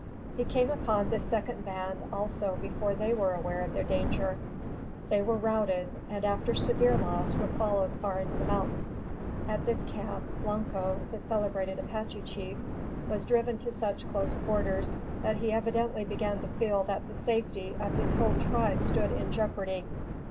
He came upon this second band also before they were aware of their danger. They were routed, and after severe loss were followed far into the mountains. At this camp, Blanco, the celebrated Apache chief, was driven to such close quarters that he evidently began to feel that the safety of his whole tribe stood in jeopardy.